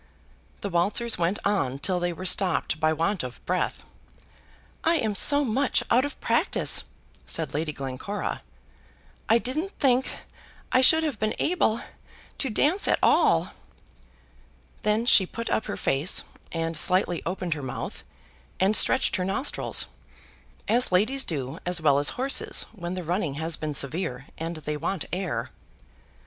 The waltzers went on till they were stopped by want of breath. "I am so much out of practice," said Lady Glencora; "I didn't think I should have been able to dance at all." Then she put up her face, and slightly opened her mouth, and stretched her nostrils, as ladies do as well as horses when the running has been severe and they want air.